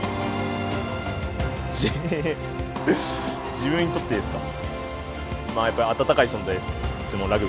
自分にとってですか？